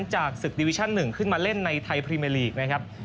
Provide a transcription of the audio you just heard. จากศึกดิวิชั่น๑ขึ้นมาเล่นในไทยพรีเมอร์ลีกนะครับ